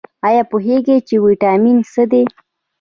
ایا پوهیږئ چې ویټامین څه دي؟